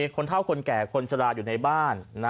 คนเท่าคนแก่คนชะลาอยู่ในบ้าน